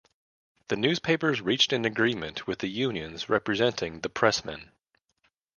The newspapers reached an agreement with the unions representing the pressmen.